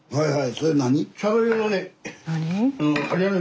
それ何？